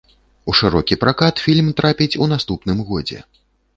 У шырокі пракат фільм трапіць у наступным годзе.